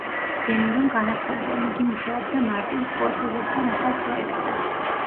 დე ნირომ განაცხადა, რომ იგი მუშაობდა მარტინ სკორსეზესთან ახალ პროექტზე.